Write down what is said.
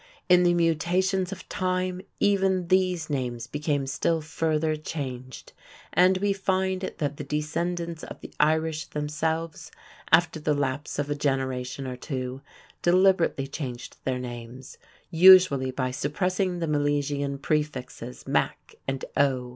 In the mutations of time, even these names became still further changed, and we find that the descendants of the Irish themselves, after the lapse of a generation or two, deliberately changed their names, usually by suppressing the Milesian prefixes, "Mac" and "O".